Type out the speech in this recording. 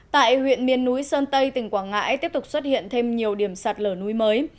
tại huyện miền núi sơn tây tỉnh quảng ngãi tiếp tục xuất hiện thêm nhiều điểm sạt lở núi mới